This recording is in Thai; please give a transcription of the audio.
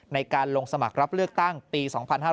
ในการลงสมัครรับเลือกตั้งปี๒๕๕๙